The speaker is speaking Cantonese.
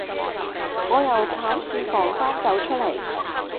我由考試房間走出嚟